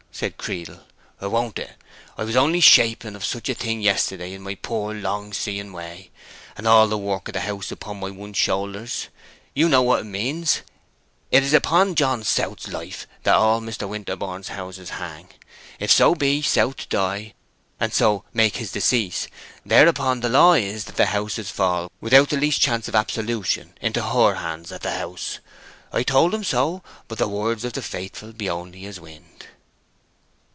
said Creedle. "Won't it! I was only shaping of such a thing yesterday in my poor, long seeing way, and all the work of the house upon my one shoulders! You know what it means? It is upon John South's life that all Mr. Winterborne's houses hang. If so be South die, and so make his decease, thereupon the law is that the houses fall without the least chance of absolution into HER hands at the House. I told him so; but the words of the faithful be only as wind!"